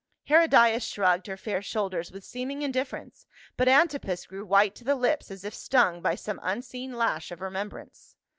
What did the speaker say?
Herodias shrugged her fair shoulders with seeming indifference, but Antipas grew white to the lips as if stung by some unseen lash of remembrance.